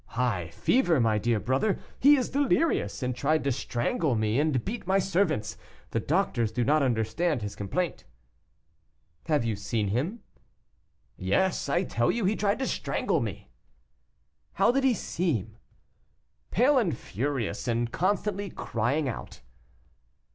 "High fever, my dear brother; he is delirious, and tried to strangle me and beat my servants. The doctors do not understand his complaint." "Have you seen him?" "Yes; I tell you he tried to strangle me." "How did he seem?" "Pale and furious, and constantly crying out."